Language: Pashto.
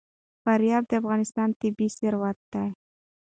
فاریاب د افغانستان طبعي ثروت دی.